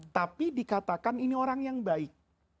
tapi dikatakan ini orang yang baik